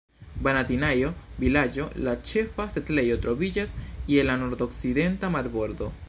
Vanatinajo-Vilaĝo, la ĉefa setlejo, troviĝas je la nordokcidenta marbordo.